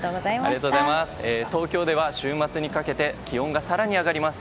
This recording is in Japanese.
東京では週末にかけて気温が更に上がります。